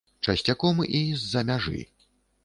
Часцяком і з-за мяжы.